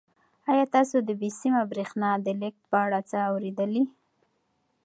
آیا تاسو د بې سیمه بریښنا د لېږد په اړه څه اورېدلي؟